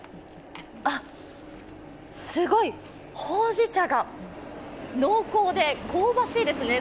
ほうじ茶が濃厚で、香ばしいですね。